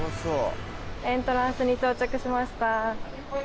エントランスに到着しました。